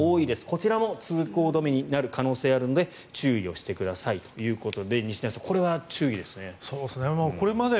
こちらも通行止めになる可能性があるので注意をしてくださいということで西成さんこれは注意ですね。